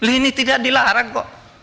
ini tidak dilarang kok